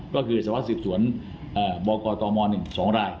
ก็คือสวัสดิ์สวนบกตม๒ลาย